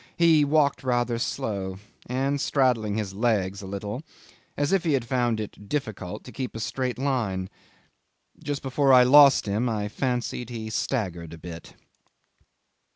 He walked rather slow, and straddling his legs a little, as if he had found it difficult to keep a straight line. Just before I lost him I fancied he staggered a bit.